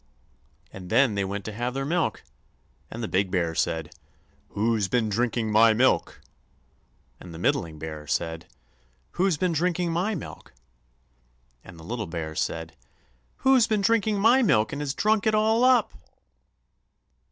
_" And then they went to have their milk, and the big bear said: "WHO'S BEEN DRINKING MY MILK?" and the middling bear said: "WHO'S BEEN DRINKING MY MILK?" and the little bear said: "_Who's been drinking my milk and has drunk it all up?